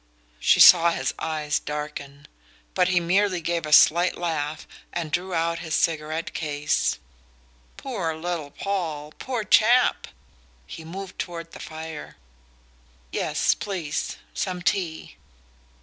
She saw his eyes darken; but he merely gave a slight laugh and drew out his cigarette case. "Poor little Paul poor chap!" He moved toward the fire. "Yes, please some tea."